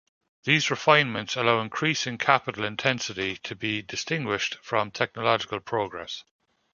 These refinements allow increasing capital intensity to be distinguished from technological progress.